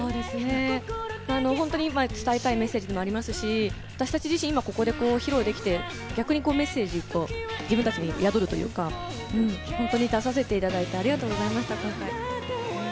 本当に伝えたいメッセージでもありますし、私たち自身、今披露できてメッセージ、自分たちに宿るというか、出させていただいて、ありがとうございます。